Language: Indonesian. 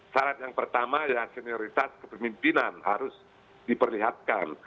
syarat yang pertama ya senioritas kepemimpinan harus diperlihatkan